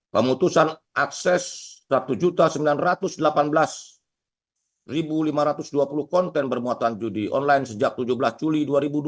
pemutusan akses satu sembilan ratus delapan belas lima ratus dua puluh konten bermuatan judi online sejak tujuh belas juli dua ribu dua puluh